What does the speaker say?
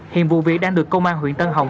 hiện vụ việc đang được công an huyện tân hồng